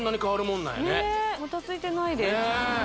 もたついてないです